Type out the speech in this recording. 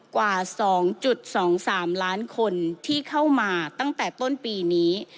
กว่า๒๒๓ล้านคนที่เข้ามาตั้งแต่ต้นปีนี้